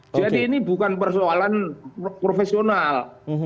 jadi ini bukan persoalan profesional